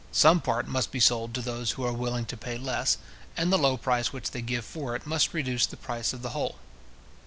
Some part must be sold to those who are willing to pay less, and the low price which they give for it must reduce the price of the whole.